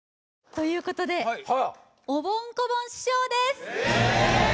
ということでおぼん・こぼん師匠ですえ！？